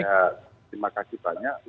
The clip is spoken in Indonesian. terima kasih banyak